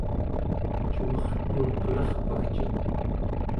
cumertenqelarpagcit!